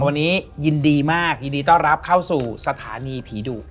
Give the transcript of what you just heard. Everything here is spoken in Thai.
วันนี้ยินดีมากยินดีต้อนรับเข้าสู่สถานีผีดุ